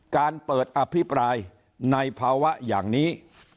การเปิดอภิปรายในภาวะอย่างนี้